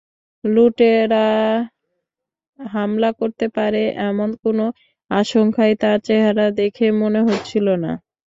লুটেরারা হামলা করতে পারে এমন কোন আশঙ্কাই তার চেহারা দেখে মনে হচ্ছিল না।